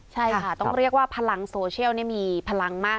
ใช่ค่ะต้องเรียกว่าพลังโซเชียลนี่มีพลังมาก